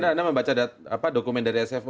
anda membaca dokumen dari sfo